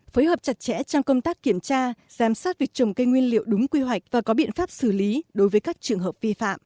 phối hợp chặt chẽ trong công tác kiểm tra giám sát việc trồng cây nguyên liệu đúng quy hoạch và có biện pháp xử lý đối với các trường hợp vi phạm